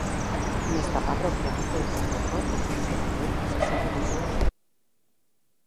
Nesta parroquia naceu o sacerdote Xosé Moreiras Santiso.